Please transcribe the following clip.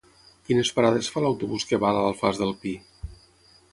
Quines parades fa l'autobús que va a l'Alfàs del Pi?